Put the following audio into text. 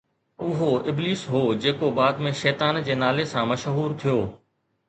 اهو ابليس هو جيڪو بعد ۾ شيطان جي نالي سان مشهور ٿيو